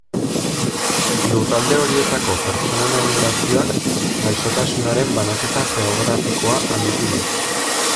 Lurralde horietako pertsonen emigrazioak gaixotasunaren banaketa geografikoa handitu du.